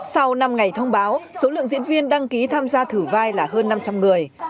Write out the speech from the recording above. sau năm ngày thông báo số lượng diễn viên đăng ký tham gia thử vai là hơn năm trăm linh người